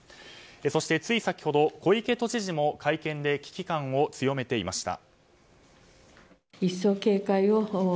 そして、つい先ほど小池都知事も会見で危機感を強めていました。